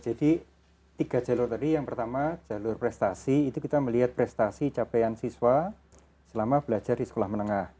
tiga jalur tadi yang pertama jalur prestasi itu kita melihat prestasi capaian siswa selama belajar di sekolah menengah